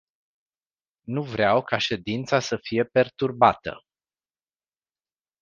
Nu vreau ca ședința să fie perturbată.